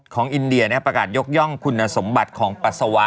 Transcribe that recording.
อินเดียประกาศยกย่องคุณสมบัติของปัสสาวะ